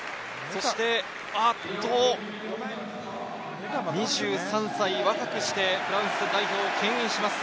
そして、２３歳、若くしてフランス代表を牽引します